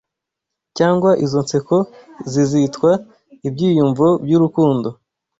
cyangwa izo nseko zizitwa Ibyiyumvo byurukundo